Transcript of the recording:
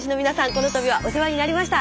この度はお世話になりました。